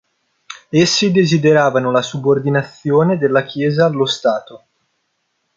Essi desideravano la subordinazione della Chiesa allo Stato.